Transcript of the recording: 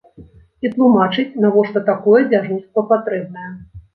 І тлумачыць, навошта такое дзяжурства патрэбнае.